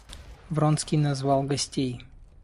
Вронский назвал гостей.